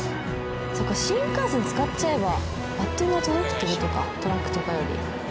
そうか新幹線使っちゃえばあっという間に届くっていう事かトラックとかより。